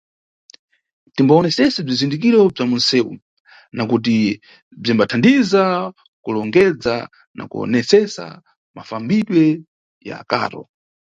Timbawonesese bzizindikiro bza munʼsewu, nakuti bzimbathandiza kulongedza na kuwonesesa mafambidwe ya karo.